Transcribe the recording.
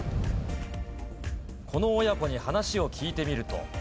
この親子に話を聞いてみると。